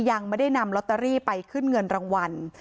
ยังไม่ได้นำลอตเตอรี่ไปขึ้นเงินรางวัล